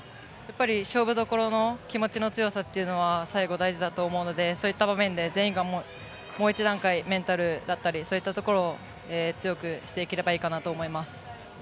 勝負どころの気持ちの強さというのは最後、大事だと思うのでそういった場面で全員がもう１段階メンタルだったりそういったところを強くしていければいいかなと思います。